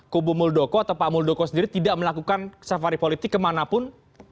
kubu muldoko atau pak muldoko sendiri tidak melakukan safari politik kemanapun